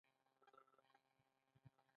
دا جومات نه دی چې بې ادب په چیغو راشې.